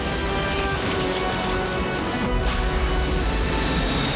ああ！